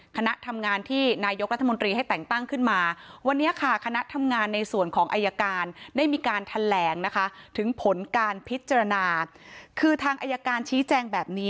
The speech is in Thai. คณะทำงานที่นายกลัฒนธมตรีให้แต่งตั้งขึ้นมา